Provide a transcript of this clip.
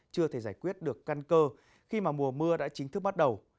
chưa thể giải quyết được căn cơ khi mà mùa mưa đã chính thức bắt đầu